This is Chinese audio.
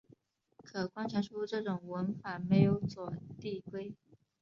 可观察出这种文法没有左递归。